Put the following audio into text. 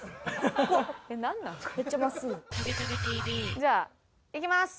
じゃあいきます。